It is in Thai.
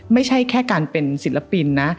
ไม่ใช่แค่การเป็นศิลปินนะ